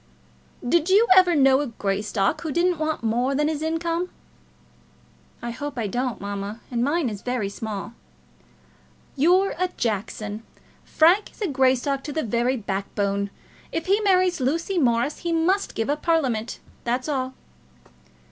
"Did you ever know a Greystock who didn't want more than his income?" "I hope I don't, mamma, and mine is very small." "You're a Jackson. Frank is Greystock to the very backbone. If he marries Lucy Morris he must give up Parliament. That's all."